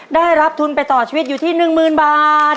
ได้รับทุนไปต่อชีวิตอยู่ที่๑๐๐๐บาท